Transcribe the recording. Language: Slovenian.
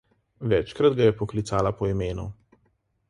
Večkrat ga je poklicala po imenu.